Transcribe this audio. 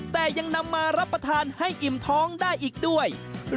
แต่ยังนำมารับประทานให้อิ่มท้องได้อีกด้วย